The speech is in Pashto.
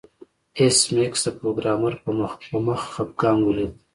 ایس میکس د پروګرامر په مخ خفګان ولید